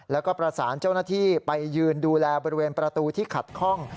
แล้วก็ประสานเจ้าหน้าที่ไปยืนดูแลบริเวณประตูที่ขัดข้อง